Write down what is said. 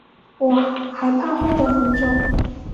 我还怕会等很久